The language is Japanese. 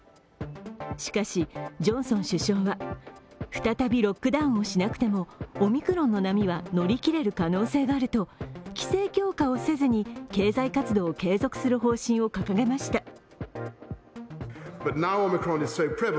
しかし、ジョンソン首相は再びロックダウンをしなくてもオミクロンの波は乗り切れる可能性があると規制強化をせずに経済活動を継続する方針を掲げました。